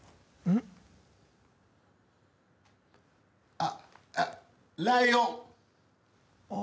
あっライオン。